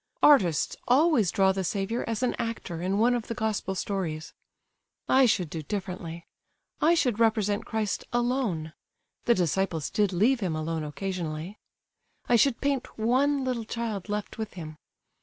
"Artists always draw the Saviour as an actor in one of the Gospel stories. I should do differently. I should represent Christ alone—the disciples did leave Him alone occasionally. I should paint one little child left with Him.